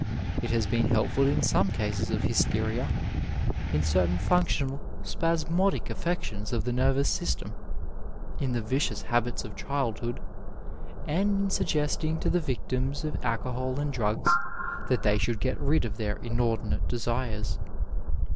It has been helpful in some cases of hysteria, in certain functional spasmodic affections of the nervous system, in the vicious habits of childhood, and in suggesting to the victims of alcohol and drugs that they should get rid of their inordi nate desires.